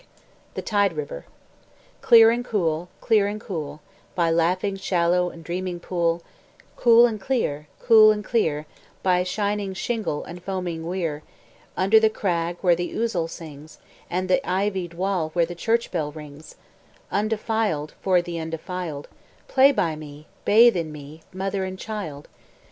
THE TIDE RIVER Clear and cool, clear and cool, By laughing shallow, and dreaming pool; Cool and clear, cool and clear, By shining shingle, and foaming weir; Under the crag where the ouzel sings, And the ivied wall where the church bell rings, Undefiled, for the undefiled; Play by me, bathe in me, mother and child.